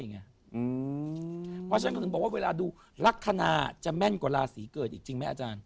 เพราะฉะนั้นก็ถึงบอกว่าเวลาดูลักษณะจะแม่นกว่าราศีเกิดอีกจริงไหมอาจารย์